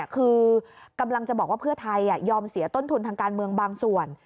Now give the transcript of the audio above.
คือกำลังจะบอกว่าเพื่อไทยยอมเสียต้นทุนทางการเมืองบางส่วน